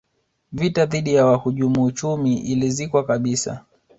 vita dhidi ya wahujumu uchumi ilizikwa kabisa